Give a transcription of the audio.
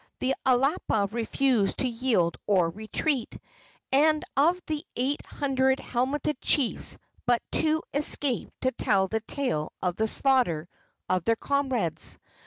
The Alapa refused to yield or retreat, and of the eight hundred helmeted chiefs but two escaped to tell the tale of the slaughter of their comrades.